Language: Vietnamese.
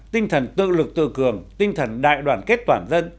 tinh thần tự lực tự cường tinh thần đại đoàn kết toàn dân